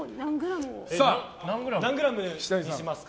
何グラムにしますか？